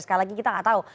sekali lagi kita tidak tahu